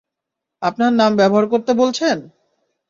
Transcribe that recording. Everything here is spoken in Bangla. আপনার নাম ব্যবহার করতে বলছেন?